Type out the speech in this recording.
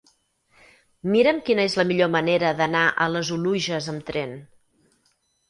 Mira'm quina és la millor manera d'anar a les Oluges amb tren.